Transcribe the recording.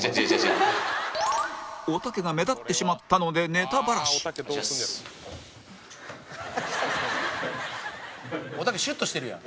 おたけが目立ってしまったので「おたけシュッとしてるやん」